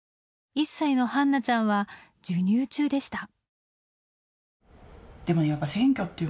１歳の帆那ちゃんは授乳中でした。